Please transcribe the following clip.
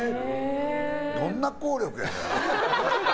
どんな効力やねんって。